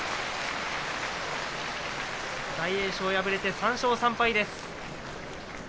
大栄翔敗れて、３勝３敗です。